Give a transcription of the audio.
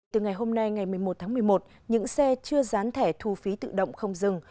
từ ngày hôm nay ngày một mươi một tháng một mươi một những xe chưa dán thẻ thu phí tự động không dừng